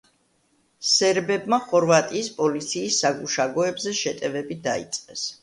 სერბებმა ხორვატიის პოლიციის საგუშაგოებზე შეტევები დაიწყეს.